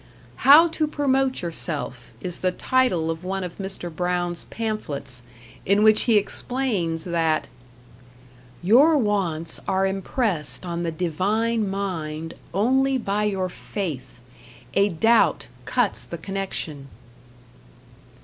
"How to Promote Yourself" is the title of one of Mr. Brown's pamphlets, in which he explains that Your wants are impressed on the Divine Mind only by your faith. A doubt cuts the connection.